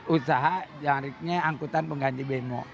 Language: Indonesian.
usaha yang artinya angkutan pengganti bemo